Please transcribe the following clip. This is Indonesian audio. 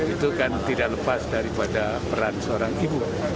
itu kan tidak lepas daripada peran seorang ibu